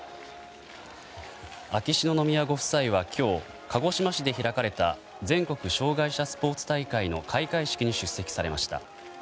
秋篠宮ご夫妻は今日鹿児島市で開かれた全国障害者スポーツ大会の開会式に出席されました。